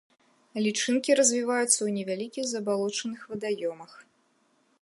Лічынкі развіваюцца ў невялікіх забалочаных вадаёмах.